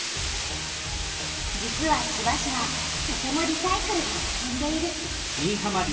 実は千葉市はとてもリサイクルが進んでいる。